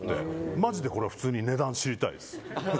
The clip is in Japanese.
マジで、これは普通に値段知りたいです。